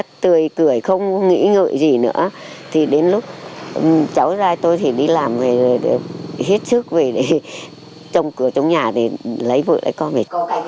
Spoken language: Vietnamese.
mình không có cười cười không nghĩ ngợi gì nữa thì đến lúc cháu ra tôi thì đi làm thiết sức về để trồng cửa trong nhà để lấy vợ lấy con về